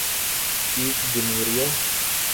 check جمہوریہ